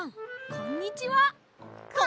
こんにちは！